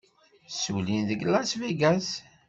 Ssullin deg Las Vegas.